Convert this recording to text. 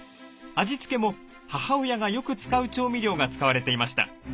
味付けも母親がよく使う調味料が使われていました。